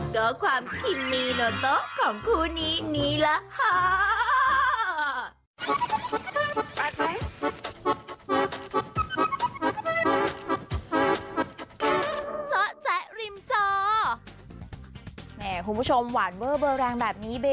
ก็ความคินมีโลโต๊ะของคู่นี้นี่แหละค่ะ